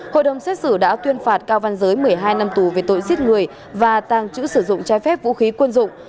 hội đồng xét xử đã tuyên phạt cao văn giới một mươi hai năm tù về tội giết người và tàng trữ sử dụng trái phép vũ khí quân dụng